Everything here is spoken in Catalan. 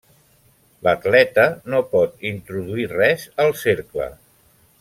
L'atleta no pot introduir res al cercle.